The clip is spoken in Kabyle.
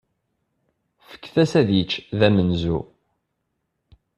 Fket-as ad yečč d amenzu.